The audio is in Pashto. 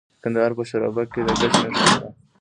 د کندهار په شورابک کې د ګچ نښې شته.